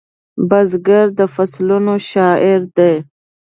بزګر د فصلونو شاعر دی